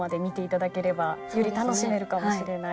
より楽しめるかもしれないと。